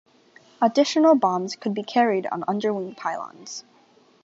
Additional bombs could be carried on underwing pylons.